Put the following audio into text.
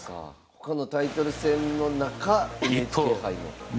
他のタイトル戦の中ＮＨＫ杯も。